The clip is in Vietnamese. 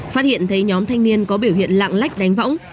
phát hiện thấy nhóm thanh niên có biểu hiện lạng lách đánh võng